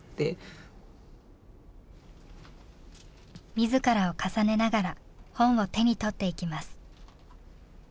自らを重ねながら本を手に取っていきます。